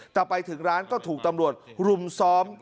แต่ไปถึงร้านก็ถูกตำรวจรุมซ้อม